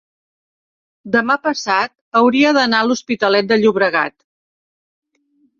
demà passat hauria d'anar a l'Hospitalet de Llobregat.